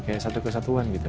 kayak satu kesatuan gitu